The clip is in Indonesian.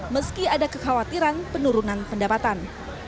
meski ada kekhawatiran penurunan pendapatan